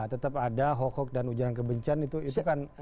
tetap ada hoax dan ujaran kebencian itu kan